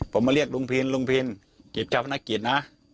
ผมมาเรียกลุงพินลุงพินจิตเจ้าพนักกิจนะ